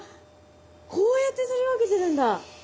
こうやって取り分けてるんだ。